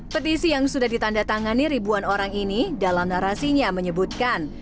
petisi yang sudah ditanda tangani ribuan orang ini dalam narasinya menyebutkan